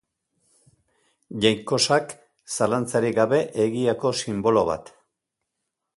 Jainkosak, zalantzarik gabe egiako sinbolo bat.